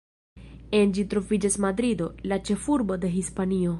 En ĝi troviĝas Madrido, la ĉefurbo de Hispanio.